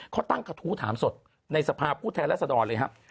เขาตั้งกระทู้ถามสดในสภาพผู้แทนรัศดรเลยครับ